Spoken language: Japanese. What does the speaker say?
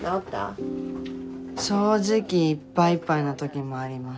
正直いっぱいいっぱいな時もあります。